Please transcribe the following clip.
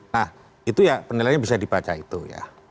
nah itu ya penilaiannya bisa dibaca itu ya